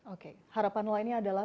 oke harapan lo ini adalah